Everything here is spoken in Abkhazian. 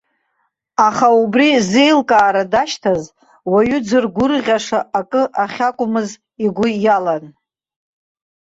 Аха убри, зеилкаара дашьҭаз, уаҩы дзыргәырӷьаша акы ахьакәмыз игәы иалан.